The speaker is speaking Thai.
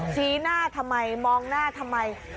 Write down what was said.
ชี้หน้าทำไมมองหน้าทำไม